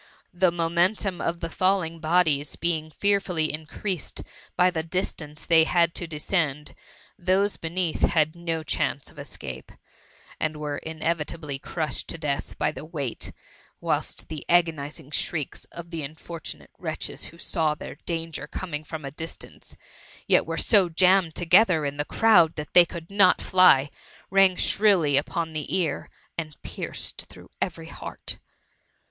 The momentum of the falling bodies being fearfully increased by the distance they had to descend^ those beneath had no chance of escape^ and were inevitably crushed to death by die wei^t, whilst the agonizing shrieks of the unfortunate THE MUMMY. 283 wretches who saw their danger coming from a distance, yet were so jammed together in the crowd that they eould not fly, rang shrilly upon the ear, and pierced through every heart.